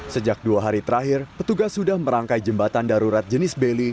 sejak dua hari terakhir petugas sudah merangkai jembatan darurat jenis beli